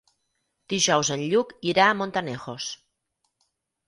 Dijous en Lluc irà a Montanejos.